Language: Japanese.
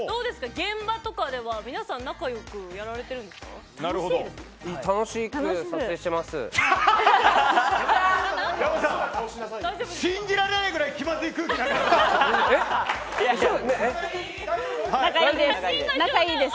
現場とかでは皆さん楽しく撮影してます。